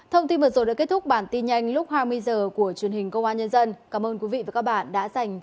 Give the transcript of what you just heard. thông tin vừa rồi đã kết thúc bản tin nhanh lúc hai mươi h của truyền hình công an nhân dân cảm ơn quý vị và các bạn đã dành thời gian theo dõi